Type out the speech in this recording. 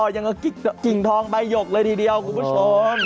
อย่างกับกิ่งทองใบหยกเลยทีเดียวคุณผู้ชม